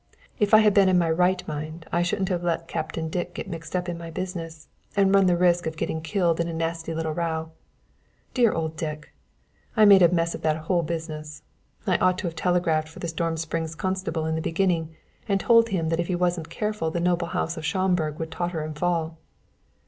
If I had been in my right mind I shouldn't have let Captain Dick mix up in my business and run the risk of getting killed in a nasty little row. Dear old Dick! I made a mess of that whole business; I ought to have telegraphed for the Storm Springs constable in the beginning, and told him that if he wasn't careful the noble house of Schomburg would totter and fall."